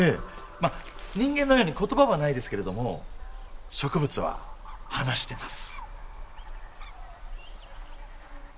まあ人間のように言葉はないですけれども植物は話してます。